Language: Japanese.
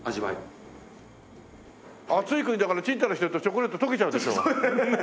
暑い国だからちんたらしてるとチョコレート溶けちゃうでしょ？